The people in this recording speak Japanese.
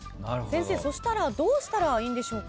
先生そしたらどうしたらいいんでしょうか？